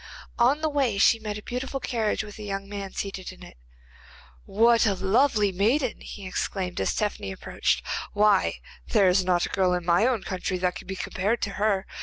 On the way she met a beautiful carriage with a young man seated in it. 'What a lovely maiden!' he exclaimed, as Tephany approached. 'Why, there is not a girl in my own country that can be compared to her.